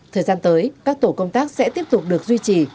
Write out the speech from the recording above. thời gian tới các tổ công tác sẽ tiếp tục được duy trì